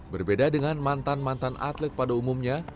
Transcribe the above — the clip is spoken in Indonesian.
berbeda dengan mantan mantan atlet pada umumnya